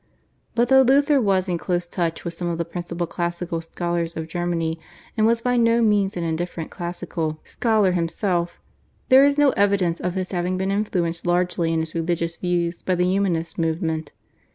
But though Luther was in close touch with some of the principal classical scholars of Germany and was by no means an indifferent classical scholar himself, there is no evidence of his having been influenced largely in his religious views by the Humanist movement.